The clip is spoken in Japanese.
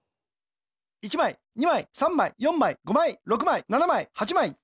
１まい２まい３まい４まい５まい６まい７まい８まい。